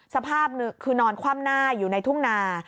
สภาพคือนอนคว่ำหน้าอยู่ในทุ่งนา